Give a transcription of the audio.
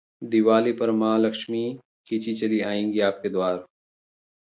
दिवाली पर मां लक्ष्मी खिंची चली आएंगी आपके द्वार